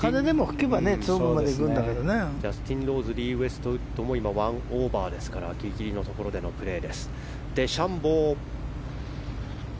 ジャスティン・ローズリー・ウエストウッドも１オーバーですからギリギリのところでのプレー。